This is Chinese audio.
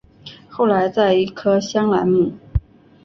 后来在一棵香兰木。